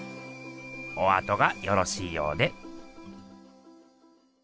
おあとがよろしいようで。